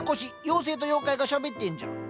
妖精と妖怪がしゃべってんじゃん。